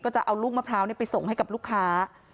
ก็จะเอาลูกมะพร้าวไปส่งให้กับลูกค้า